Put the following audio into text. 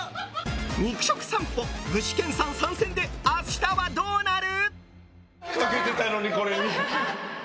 肉食さんぽ、具志堅さん参戦で明日はどうなる？